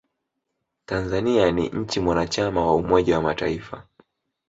tanzania ni nchi mwanachama wa umoja wa mataifa